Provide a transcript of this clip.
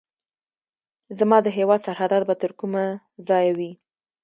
زما د هیواد سرحدات به تر کومه ځایه وي.